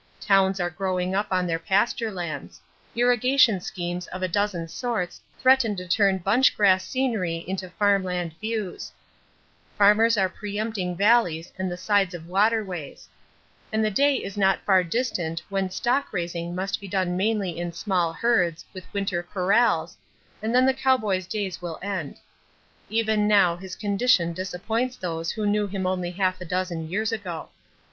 Towns are growing up on their pasture lands; irrigation schemes of a dozen sorts threaten to turn bunch grass scenery into farm land views; farmers are pre empting valleys and the sides of waterways; and the day is not far distant when stock raising must be done mainly in small herds, with winter corrals, and then the cowboy's days will end. Even now his condition disappoints those who knew him only half a dozen years ago.